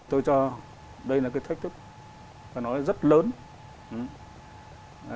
tôi cho đây là cái thách thức và nó rất lớn